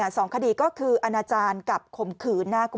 สองคดีก็คืออาณาจารย์กับข่มขืน